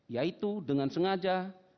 yaitu dengan sengaja